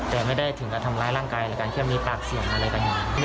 แต่ไม่ได้ถึงกับทำร้ายร่างกายหรือการเครียบมีปากเสี่ยงอะไรกันอย่างนี้